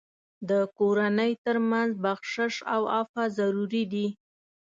د کورنۍ تر منځ بخشش او عفو ضروري دي.